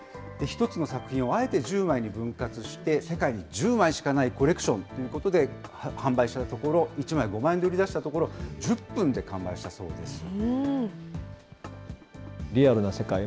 １つの作品をあえて１０枚に分割して、世界に１０枚しかないコレクションということで、販売したところ、１枚５万円で売り出したところ、１０分で完売したそうです。